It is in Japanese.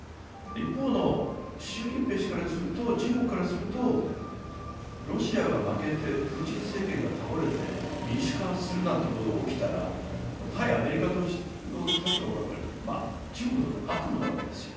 一方の習近平氏、中国からするとロシアが負けてプーチン政権が倒れて民主化するなんてことが起きたらこれ、対アメリカの立場を考えると中国にとって悪夢なわけです。